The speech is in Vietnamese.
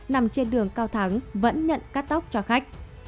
nằm trên đường cao thắng vẫn nhận cắt tóc cho khách